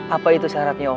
apa itu syaratnya om